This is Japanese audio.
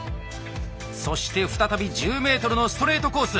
そして再び１０ｍのストレートコース！